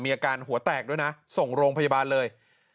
อาการหัวแตกด้วยนะส่งโรงพยาบาลเลย